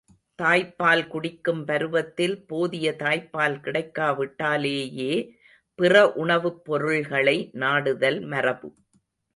தாய்ப்பால் குடிக்கும் பருவத்தில் போதிய தாய்ப்பால் கிடைக்கா விட்டாலேயே பிற உணவுப் பொருள்களை நாடுதல் மரபு.